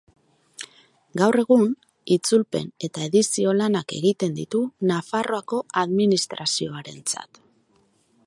Gaur egun, itzulpen- eta edizio-lanak egiten ditu Nafarroako Administrazioarentzat.